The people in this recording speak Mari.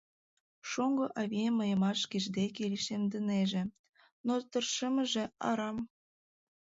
Шоҥго авием мыйымат шкеж деке лишемдынеже, но тыршымыже арам.